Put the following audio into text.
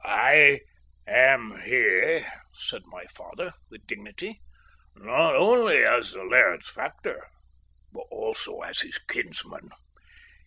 "I am here," said my father, with dignity, "not only as the laird's factor, but also as his kinsman.